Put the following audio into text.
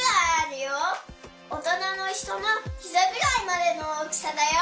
おとなのひとのひざぐらいまでの大きさだよ。